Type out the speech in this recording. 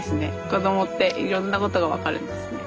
子供っていろんなことが分かるんですね。